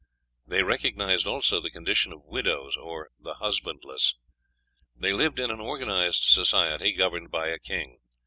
They recognized also the condition of widows, or "the husbandless." They lived in an organized society, governed by a king.